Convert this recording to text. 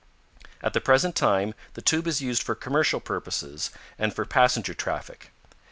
At the present time the tube is used for commercial purposes and for passenger traffic.